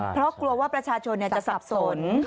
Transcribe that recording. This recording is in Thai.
เพราะกลัวว่าประชาชนจะสับสน